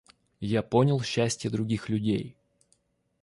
Я понял счастье других людей.